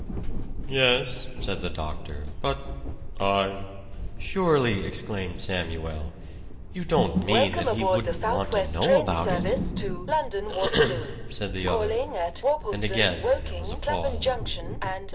"Yes," said the doctor. "But I " "Surely," exclaimed Samuel, "you don't mean that he wouldn't want to know about it!" "Ahem!" said the other; and again there was a pause.